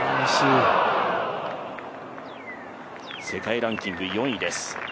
世界ランキング４位です